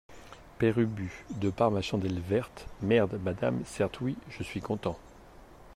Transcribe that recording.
Père Ubu De par ma chandelle verte, merdre, madame, certes oui, je suis content.